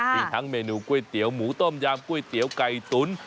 มีทั้งเมนูก๋วยเตี๋ยวหมูต้มยำก๋วยเตี๋ยวไก่ตุ๋น